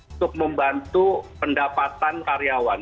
untuk membantu pendapatan karyawan